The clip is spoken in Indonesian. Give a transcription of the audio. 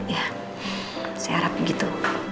ya saya harap begitu